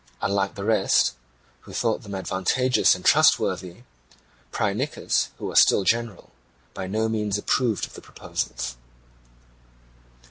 Unlike the rest, who thought them advantageous and trustworthy, Phrynichus, who was still general, by no means approved of the proposals.